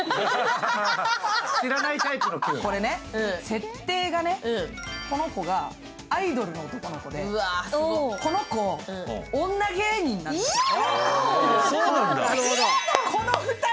設定がね、この子がアイドルの男の子でこの子、女芸人なんですよ。